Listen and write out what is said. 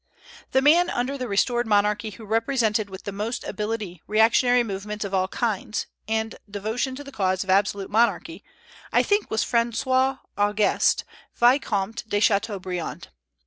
The man under the restored monarchy who represented with the most ability reactionary movements of all kinds, and devotion to the cause of absolute monarchy, I think was Francois Auguste, Vicomte de Chateaubriand.